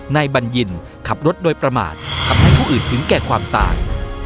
บัญญินขับรถโดยประมาททำให้ผู้อื่นถึงแก่ความตาย